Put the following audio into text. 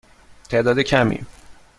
تعداد کمی.